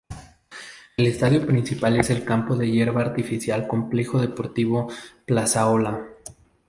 El estadio principal es el campo de hierba artificial "Complejo Deportivo Plazaola".